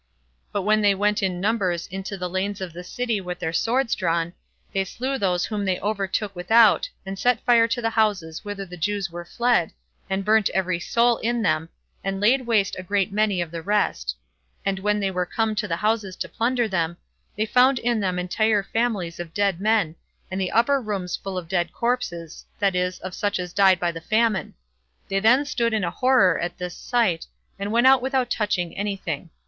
But when they went in numbers into the lanes of the city with their swords drawn, they slew those whom they overtook without and set fire to the houses whither the Jews were fled, and burnt every soul in them, and laid waste a great many of the rest; and when they were come to the houses to plunder them, they found in them entire families of dead men, and the upper rooms full of dead corpses, that is, of such as died by the famine; they then stood in a horror at this sight, and went out without touching any thing.